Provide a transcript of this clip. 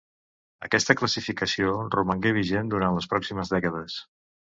Aquesta classificació romangué vigent durant les pròximes dècades.